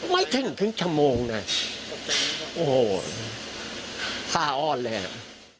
ไม่ถึงถึงชั่วโมงนะโอ้โหผ้าอ้อนแล้ว